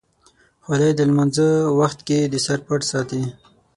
خولۍ د لمانځه وخت کې د سر پټ ساتي.